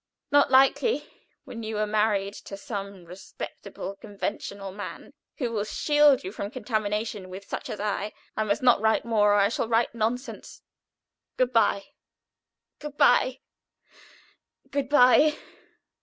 Not likely, when you are married to some respectable, conventional man, who will shield you from contamination with such as I. I must not write more or I shall write nonsense. Good bye, good bye, good bye!